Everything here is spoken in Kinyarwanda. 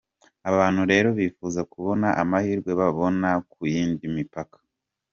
Abantu rero bifuza kubona amahirwe babona ku yindi mipaka.